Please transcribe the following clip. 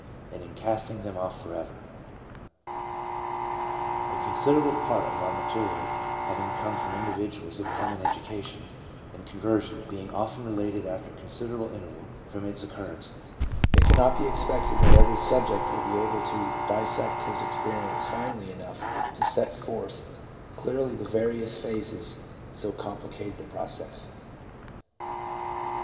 . and in casting them off forever " A considerable part of our material having come from in dividuals of common school education, and conversion being often related after a considerable interval from its occur rence, it cannot be expected that every subject will be able to dissect his experience finely enough to set forth clearly the various phases of so complicated a process.